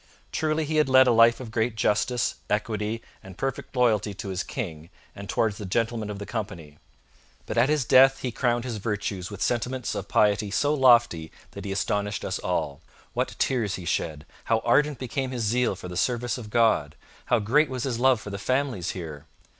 Truly he had led a life of great justice, equity, and perfect loyalty to his King and towards the Gentlemen of the Company. But at his death he crowned his virtues with sentiments of piety so lofty that he astonished us all. What tears he shed! how ardent became his zeal for the service of God! how great was his love for the families here!